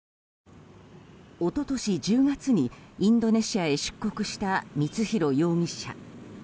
一昨年１０月にインドネシアへ出国した光弘容疑者。